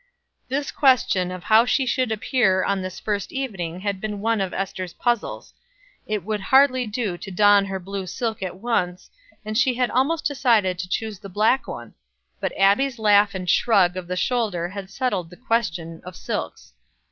This question of how she should appear on this first evening had been one of Ester's puzzles; it would hardly do to don her blue silk at once, and she had almost decided to choose the black one; but Abbie's laugh and shrug of the shoulder had settled the question of silks.